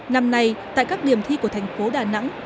năm nay tại các điểm thi của thành phố đà nẵng